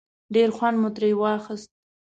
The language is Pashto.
ډېر خوند مو پرې واخیست.